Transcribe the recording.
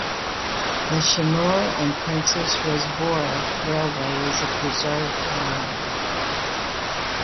The Chinnor and Princes Risborough Railway is a preserved line.